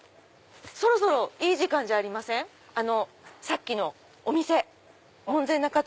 そろそろいい時間じゃありませんさっきのお店門前仲町。